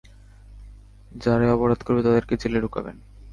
যারাই অপরাধ করবে, তাদেরলে জেলে ঢুকাবেন।